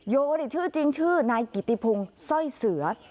โยนี่ชื่อจริงชื่อนายกิติพงศ์สร้อยเสือ